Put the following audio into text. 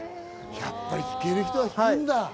やっぱり引ける人は引くんだ。